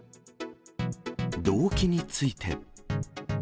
動機について。